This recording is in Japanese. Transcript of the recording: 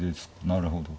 なるほど。